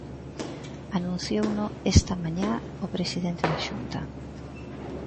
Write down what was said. Anunciouno esta mañá o presidente da Xunta.